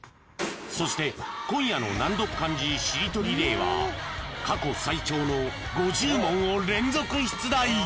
［そして今夜の難読漢字しりとリレーは過去最長の５０問を連続出題！］